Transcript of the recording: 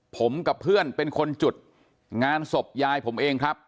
ผมกับเพื่อนเป็นคนจุดงานศพยายผมเองครับ